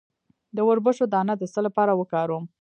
د وربشو دانه د څه لپاره وکاروم؟